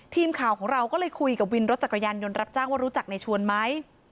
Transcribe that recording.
ทีมข่าวของเราก็เลยคุยกับวินรถจักรยานยนต์รับจ้างว่ารู้จักในชวนไหม